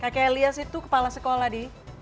kakek lias itu kepala sekolah di